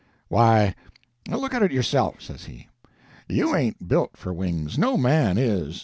"Why, look at it yourself," says he. "You ain't built for wings—no man is.